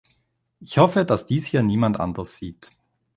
Ich hoffe, dass dies hier niemand anders sieht.